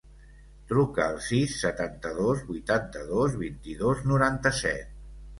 Truca al sis, setanta-dos, vuitanta-dos, vint-i-dos, noranta-set.